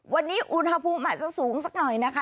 วันนี้อุณหภูมิอาจจะสูงสักหน่อยนะคะ